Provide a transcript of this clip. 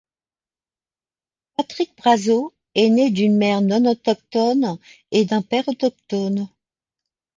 Patrick Brazeau est né d'une mère non-autochtone et d'un père autochtone.